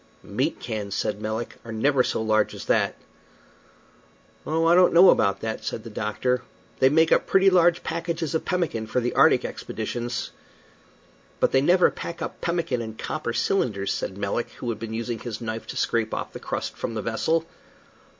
"Meat cans," said Melick, "are never so large as that." "Oh, I don't know about that," said the doctor, "they make up pretty large packages of pemmican for the arctic expeditions." "But they never pack up pemmican in copper cylinders," said Melick, who had been using his knife to scrape off the crust from the vessel.